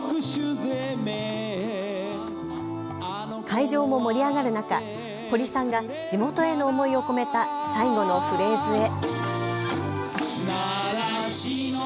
会場も盛り上がる中、堀さんが地元への思いを込めた最後のフレーズへ。